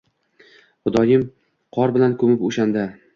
Xudoyim, qor bilan ko’mib o’shanda